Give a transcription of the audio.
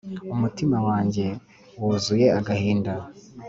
umutima wanjye wuzuye agahinda,